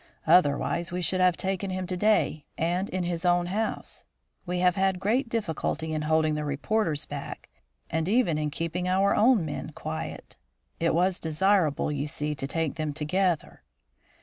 "Otherwise, we should have taken him to day, and in his own house. We have had great difficulty in holding the reporters back and even in keeping our own men quiet. It was desirable, you see, to take them together."